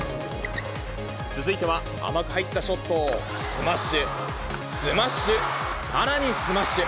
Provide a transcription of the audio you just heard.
続いては、甘く入ったショットをスマッシュ、スマッシュ、さらにスマッシュ。